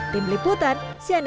tim liputan cnn indonesia